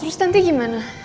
terus tanti gimana